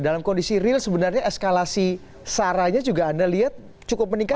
dalam kondisi real sebenarnya eskalasi saranya juga anda lihat cukup meningkat